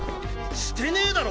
してねえだろ